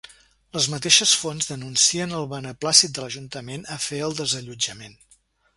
Les mateixes fonts denuncien el beneplàcit de l’ajuntament a fer el desallotjament.